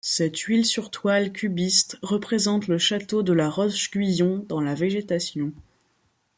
Cette huile sur toile cubiste représente le château de La Roche-Guyon dans la végétation.